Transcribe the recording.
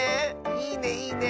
いいねいいね！